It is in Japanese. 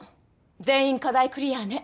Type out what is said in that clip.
全員課題クリアね。